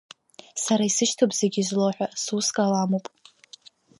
Сара исышьҭоуп Зегьзлоу ҳәа, сус каламуп…